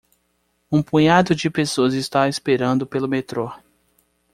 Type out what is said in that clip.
Um punhado de pessoas está esperando pelo metrô.